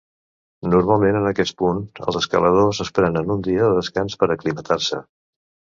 Normalment en aquest punt, els escaladors es prenen un dia de descans per aclimatar-se.